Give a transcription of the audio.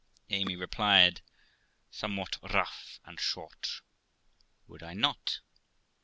Amy replied, somewhat rough and short, Would I not?